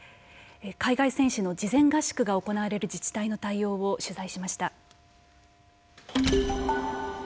海外選手の事前合宿が行われる自治体の対応を取材しました。